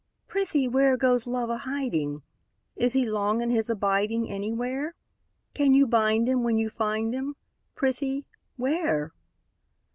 Prithee where, Goes Love a hiding? Is he long in his abiding Anywhere? Can you bind him when you find him; Prithee, where?